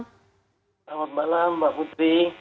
selamat malam mbak putri